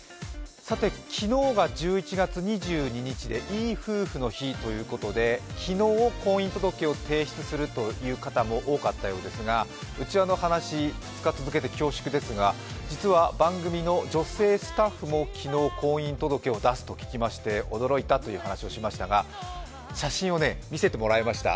昨日が１１月２２日１１月２２の日ということで昨日、婚姻届を提出するという人も多かったようですが内輪の話、２日続けて恐縮ですが、実は番組の女性スタッフも昨日、婚姻届を出すと聞きまして驚いたという話をしましたが写真を見せてもらいました。